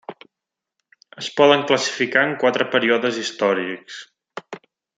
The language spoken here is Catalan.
Es poden classificar en quatre períodes històrics.